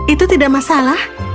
itu tidak masalah